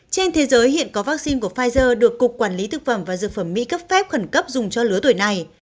trên thế giới hiện có vaccine của pfizer được cục quản lý thực phẩm và dược phẩm mỹ cấp phép khẩn cấp dùng cho lứa tuổi này